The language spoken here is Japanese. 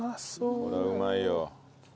これはうまいよ。